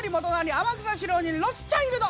天草四郎にロスチャイルド！